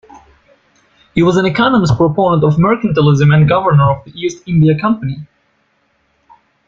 He was an economist proponent of mercantilism and governor of the East India Company.